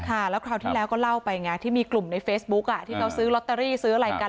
ค่ะแล้วคราวที่แล้วก็เล่าไปไงที่มีกลุ่มในเฟซบุ๊คที่เขาซื้อลอตเตอรี่ซื้ออะไรกัน